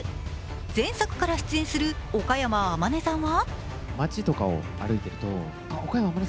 前作から出演する岡山天音さんは。